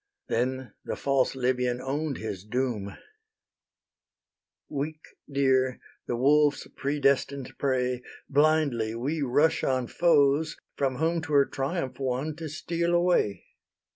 Then the false Libyan own'd his doom: "Weak deer, the wolves' predestined prey, Blindly we rush on foes, from whom 'Twere triumph won to steal away.